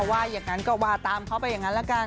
ว่าอย่างนั้นก็ว่าตามเขาไปอย่างนั้นละกัน